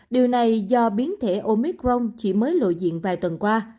điều này do biến thể omicron chỉ mới lộ diện vài tuần qua